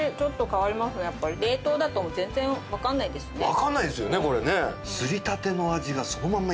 わからないですよねこれね。